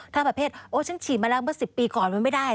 ถ้าประเภทโอ้ฉันฉีดมาแล้วเมื่อ๑๐ปีก่อนมันไม่ได้